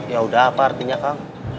yaudah apa artinya kak